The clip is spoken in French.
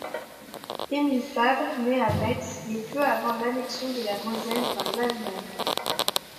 Émile Fabre naît à Metz le peu avant l'annexion de la Moselle par l'Allemagne.